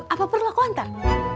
apa perlu aku antar